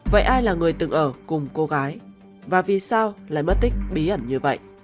vậy ai là người từng ở cùng cô gái và vì sao lại mất tích bí ẩn như vậy